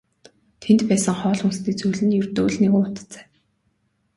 Тэнд байсан хоол хүнсний зүйл нь ердөө л нэг уут цай.